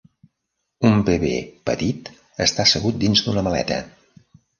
Un bebè petit està assegut dins d'una maleta.